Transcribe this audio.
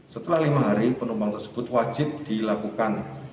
setelah lima hari penumpang tersebut wajib dilakukan